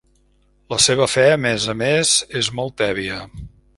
La seva fe, a més a més, és molt tèbia.